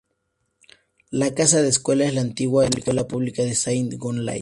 La casa de escuela es la antigua escuela pública de Saint-Gonlay.